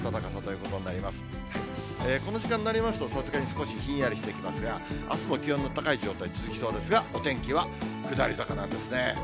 この時間になりますと、さすがに少しひんやりしてきますが、あすも気温の高い状態続きそうですが、お天気は下り坂なんですね。